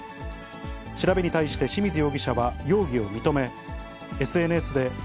調べに対して清水容疑者は容疑を認め、ＳＮＳで＃